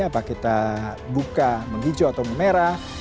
apa kita buka menghijau atau memerah